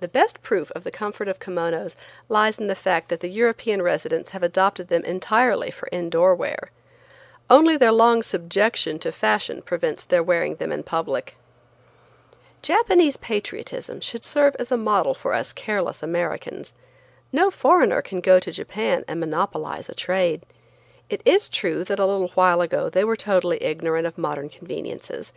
The best proof of the comfort of kimonos lies in the fact that the European residents have adopted them entirely for indoor wear. Only their long subjection to fashion prevents their wearing them in public. Japanese patriotism should serve as a model for us careless Americans. No foreigner can go to Japan and monopolize a trade. It is true that a little while ago they were totally ignorant of modern conveniences.